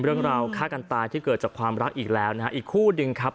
เรื่องราวฆ่ากันตายที่เกิดจากความรักอีกแล้วนะฮะอีกคู่หนึ่งครับ